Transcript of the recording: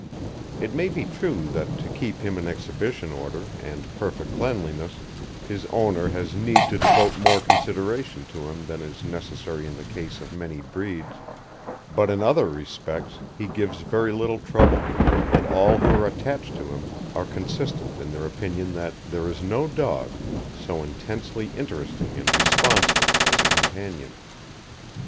It may be true that to keep him in exhibition order and perfect cleanliness his owner has need to devote more consideration to him than is necessary in the case of many breeds; but in other respects he gives very little trouble, and all who are attached to him are consistent in their opinion that there is no dog so intensely interesting and responsive as a companion.